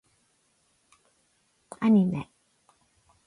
アニメ